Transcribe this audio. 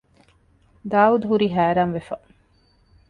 ދާއޫދުހުރީ ހައިރާންވެފަ